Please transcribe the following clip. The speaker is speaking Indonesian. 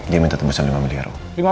dia minta tembusan lima miliar om